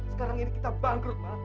sekarang ini kita bangkrut